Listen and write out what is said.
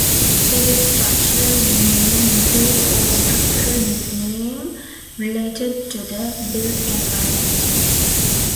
Civil structural engineering includes all structural engineering related to the built environment.